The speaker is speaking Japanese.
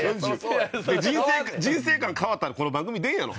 人生観変わったらこの番組出んやろ。